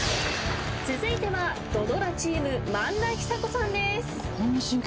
続いては土ドラチーム萬田久子さんです。